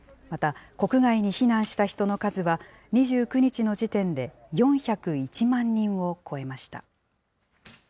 また、国外に避難した人の数は、２９日の時点で４０１万人を超えました。